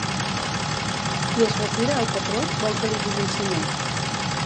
Qui es retira al patró, vol que li diguin senyor.